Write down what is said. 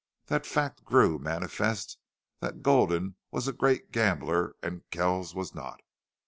The fact grew manifest that Gulden was a great gambler and Kells was not.